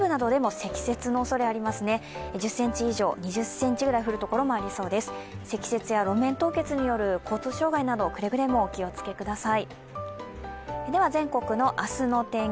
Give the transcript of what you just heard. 積雪や路面凍結による交通障害などくれぐれもお気を付けください。